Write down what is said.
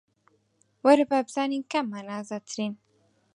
وەرە با بزانین کاممان ئازاترین